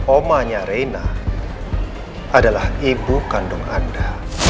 omanya reina adalah ibu kandung anda